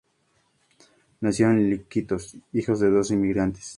Nació en Iquitos, hijo de dos inmigrantes.